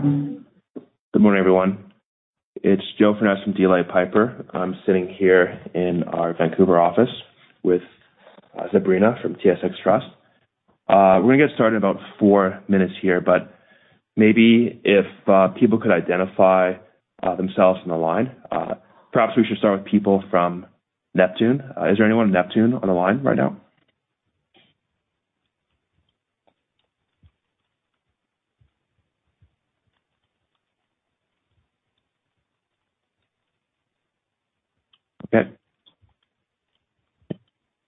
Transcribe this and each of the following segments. Good morning, everyone. It's Joe Furness from DLA Piper. I'm sitting here in our Vancouver office with Sabrina from TSX Trust. We're going to get started in about four minutes here, but maybe if people could identify themselves on the line. Perhaps we should start with people from Neptune. Is there anyone in Neptune on the line right now? Okay.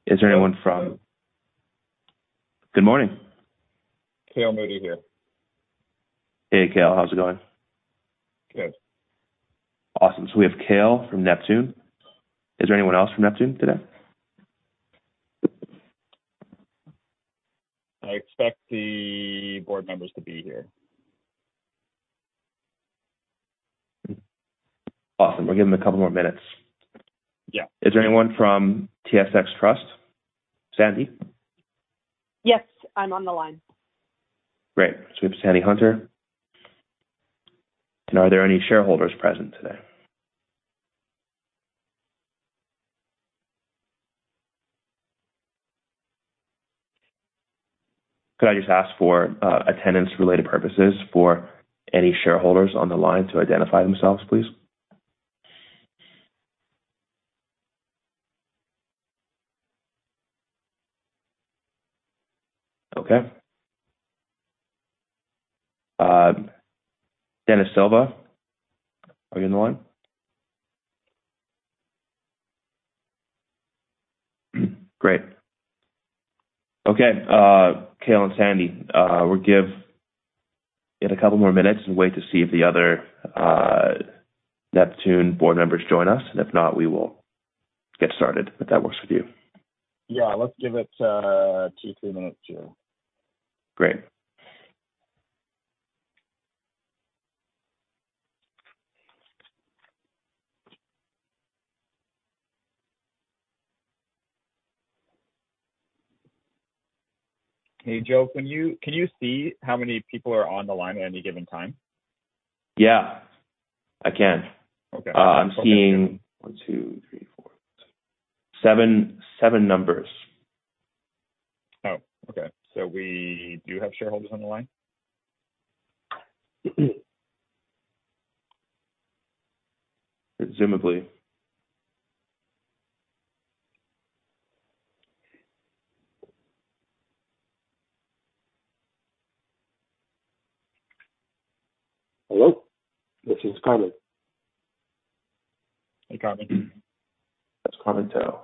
Is there anyone from... Good morning. Cale Moodie here. Hey, Cale. How's it going? Good. Awesome. So we have Cale from Neptune. Is there anyone else from Neptune today? I expect the board members to be here. Awesome. We'll give them a couple more minutes. Yeah. Is there anyone from TSX Trust? Sandy? Yes, I'm on the line. Great. So we have Sandy Hunter. And are there any shareholders present today? Could I just ask for, attendance-related purposes for any shareholders on the line to identify themselves, please? Okay. Denis Silva, are you on the line? Great. Okay, Cale and Sandy, we'll give it a couple more minutes and wait to see if the other, Neptune board members join us. And if not, we will get started, if that works with you. Yeah, let's give it two, three minutes, Joe. Great. Hey, Joe, can you, can you see how many people are on the line at any given time? Yeah, I can. Okay. I'm seeing one, two, three, four, five, six, seven, seven numbers. Oh, okay. So we do have shareholders on the line? Presumably. Hello, this is Carmen. Hey, Carmen. That's Carmen To.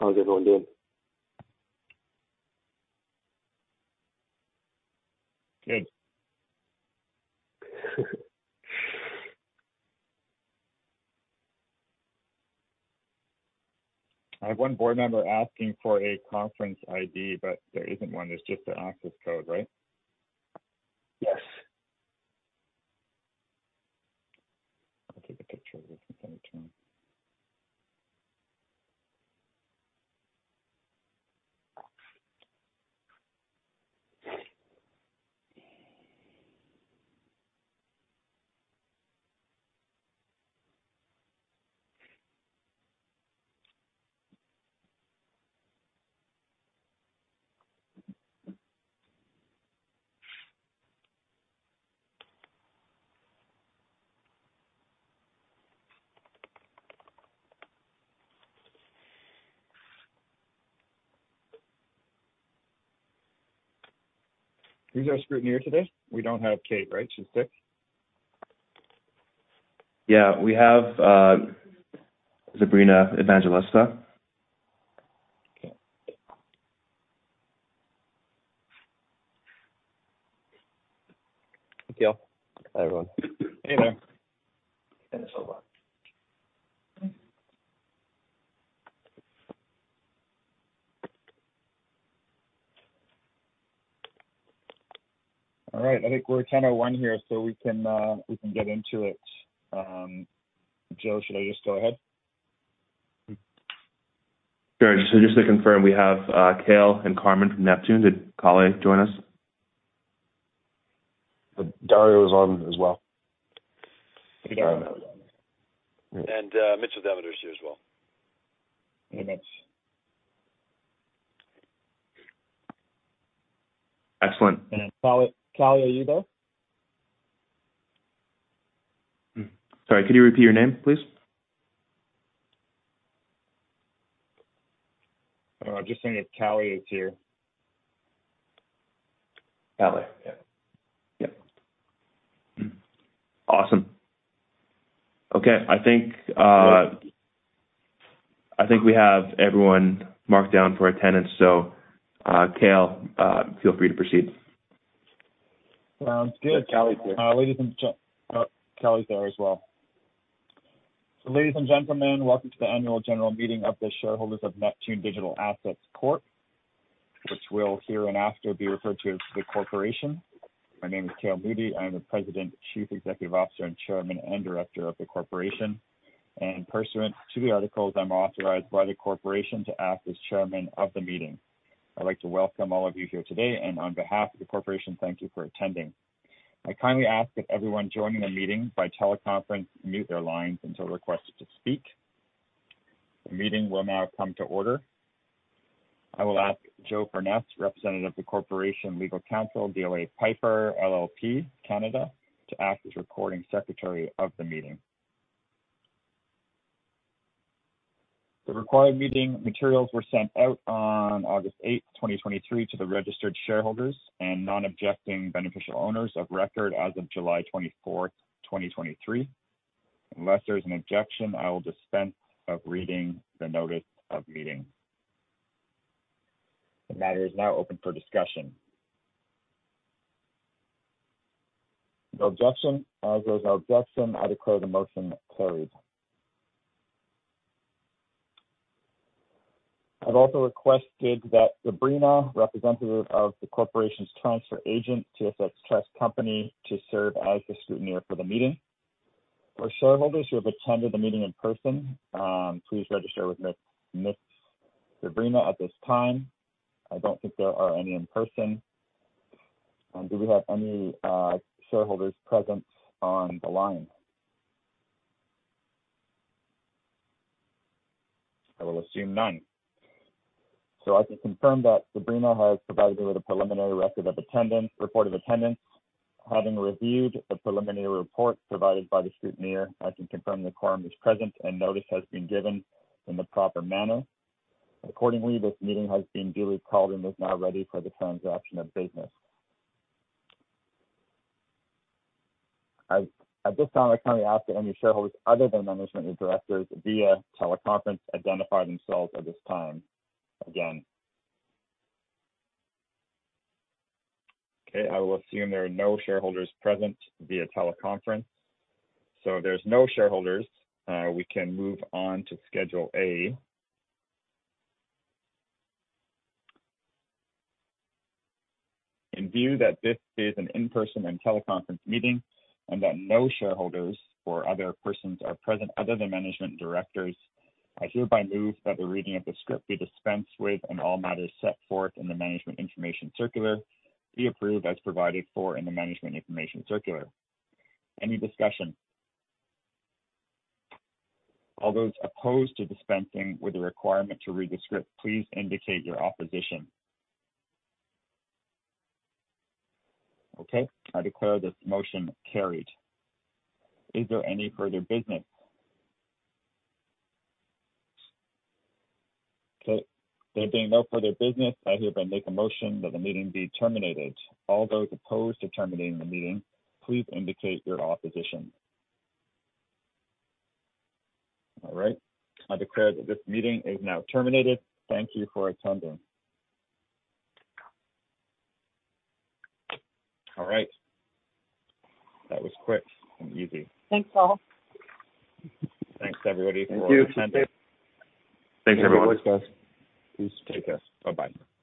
How's it going, dude? Good. I have one board member asking for a conference ID, but there isn't one. There's just an access code, right? Yes. I'll take a picture of this and send it to him. Who's our scrutineer today? We don't have Kate, right? She's sick. Yeah, we have, Sabrina Evangelista. Okay. Thank you. Hi, everyone. Hey there. Denis Silva. All right. I think we're 10:01 A.M. here, so we can get into it. Joe, should I just go ahead? Sure. So just to confirm, we have Cale and Carmen from Neptune. Did Cale join us? Dario is on as well. And, Mitchell Demeter is here as well. Hey, Mitch. Excellent. Cale, Cale, are you there? Sorry, could you repeat your name, please? Just saying if Cale is here. Cale, yeah. Yep. Awesome. Okay, I think, I think we have everyone marked down for attendance, so, Cale, feel free to proceed. Sounds good. Cale is here. Ladies and gentlemen, welcome to the annual general meeting of the shareholders of Neptune Digital Assets Corp., which will hereinafter be referred to as the corporation. My name is Cale Moodie. I'm the President, Chief Executive Officer, and Chairman and Director of the corporation. Pursuant to the articles, I'm authorized by the corporation to act as chairman of the meeting. I'd like to welcome all of you here today, and on behalf of the corporation, thank you for attending. I kindly ask that everyone joining the meeting by teleconference mute their lines until requested to speak. The meeting will now come to order. I will ask Joe Furness, representative of the corporation's legal counsel, DLA Piper (Canada) LLP, to act as recording secretary of the meeting. The required meeting materials were sent out on August 8, 2023, to the registered shareholders and non-objecting beneficial owners of record as of July 24, 2023. Unless there is an objection, I will dispense of reading the notice of meeting. The matter is now open for discussion. No objection. As there is no objection, I declare the motion carried. I've also requested that Sabrina, representative of the corporation's transfer agent, TSX Trust Company, to serve as the scrutineer for the meeting. For shareholders who have attended the meeting in person, please register with Miss Sabrina at this time. I don't think there are any in person. Do we have any shareholders present on the line? I will assume none. I can confirm that Sabrina has provided me with a preliminary record of attendance, report of attendance. Having reviewed the preliminary report provided by the scrutineer, I can confirm the quorum is present and notice has been given in the proper manner. Accordingly, this meeting has been duly called and is now ready for the transaction of business. At this time, I kindly ask that any shareholders other than management and directors via teleconference identify themselves at this time again. Okay, I will assume there are no shareholders present via teleconference. So there's no shareholders, we can move on to Schedule A. In view that this is an in-person and teleconference meeting and that no shareholders or other persons are present other than management and directors, I hereby move that the reading of the script be dispensed with and all matters set forth in the Management Information Circular be approved as provided for in the Management Information Circular. Any discussion? All those opposed to dispensing with the requirement to read the script, please indicate your opposition. Okay, I declare this motion carried. Is there any further business? Okay, there being no further business, I hereby make a motion that the meeting be terminated. All those opposed to terminating the meeting, please indicate your opposition. All right, I declare that this meeting is now terminated. Thank you for attending. All right, that was quick and easy. Thanks, all. Thanks, everybody, for attending. Thank you. Thanks, everyone. Please take care. Bye-bye.